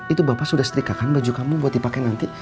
itu bapak sudah setrika kan baju kamu buat dipakai nanti